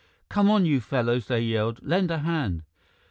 "Come on, you fellows!" they yelled. "Lend a hand!"